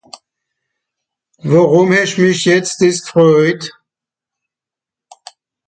Worùm hesch mich jetz dìss gfröjt ?